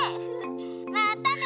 またね